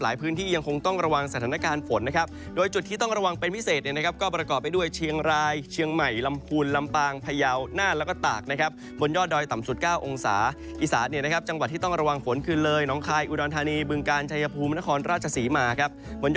หลายพื้นที่ยังคงต้องระวังสถานการณ์ฝนนะครับ